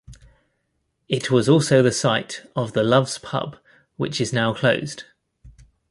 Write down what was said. It was also the site of The Loves pub, which is now closed.